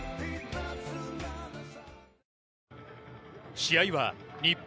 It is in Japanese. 試合は日本